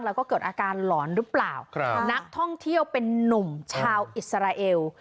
แล้วก็เกิดอาการหลอนหรือเปล่าครับนักท่องเที่ยวเป็นนุ่มชาวอิสราเอล